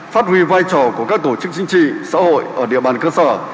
phát huy vai trò của các tổ chức chính trị xã hội ở địa bàn cơ sở